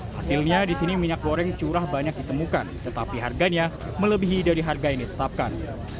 hasilnya di sini minyak goreng curah banyak ditemukan tetapi harganya melebihi dari harga yang ditetapkan